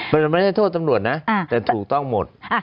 มันไม่ได้โทษตำรวจนะแต่ถูกต้องหมด